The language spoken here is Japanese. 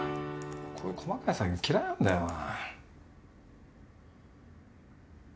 こういう細かい作業嫌いなんだよな。